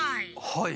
はい。